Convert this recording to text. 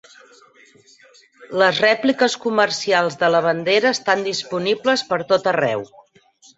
Les rèpliques comercials de la bandera estan disponibles per tot arreu.